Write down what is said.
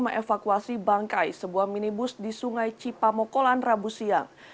mengevakuasi bangkai sebuah minibus di sungai cipamokolan rabu siang